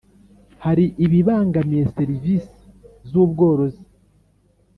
Hari ibibangamiye serivisi z’ ubworozi.